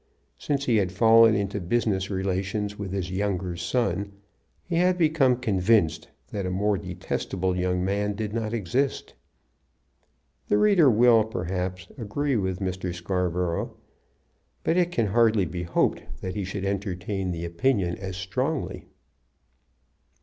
Since he had fallen into business relations with his younger son he had become convinced that a more detestable young man did not exist. The reader will, perhaps, agree with Mr. Scarborough, but it can hardly be hoped that he should entertain the opinion as strongly.